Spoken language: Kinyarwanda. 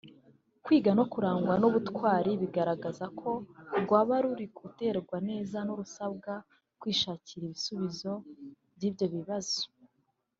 kwiga no kurangwa n’ubutwari bigaragaza ko rwaba ruri gutegurwa neza rusabwa kwishakira ibisubizo by’ibyo bibazo